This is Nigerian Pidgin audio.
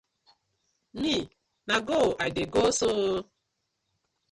Me na go I dey go so ooo.